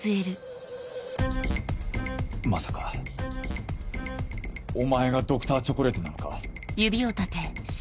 まさかお前がＤｒ．チョコレートなのか？